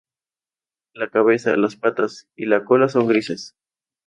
La cabeza, las patas y la cola son grises.